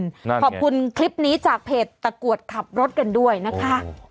ขอบคุณคลิปนี้จากเพจตะกรวดขับรถกันด้วยนะคะ